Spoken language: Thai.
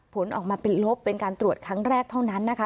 ผลออกมาเป็นลบเป็นการตรวจครั้งแรกเท่านั้นนะคะ